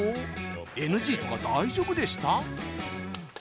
ＮＧとか大丈夫でした？